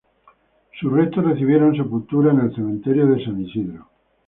Sus restos recibieron sepultura en el cementerio de San Isidro.